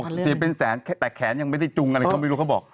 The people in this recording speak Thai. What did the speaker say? เสียเป็นแสนแต่แขนยังไม่ได้จุงอะไรก็ไม่รู้เขาบอก